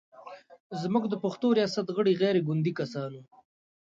زموږ د پښتو ریاست غړي غیر ګوندي کسان و.